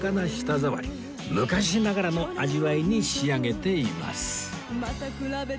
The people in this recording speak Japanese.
昔ながらの味わいに仕上げています